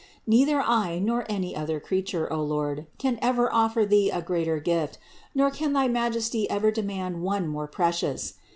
Neither I nor any other creature, O Lord, can ever offer Thee a greater gift, nor can thy Majesty ever demand one more precious.